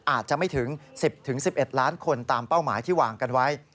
อาจจะไม่ถึง๑๐๑๑ล้านคนตามเป้าหมายที่วางกันไว้